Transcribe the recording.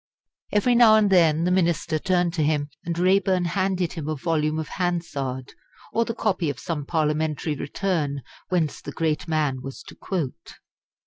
Every now and then the Minister turned to him, and Raeburn handed him a volume of Hansard or the copy of some Parliamentary Return whence the great man was to quote.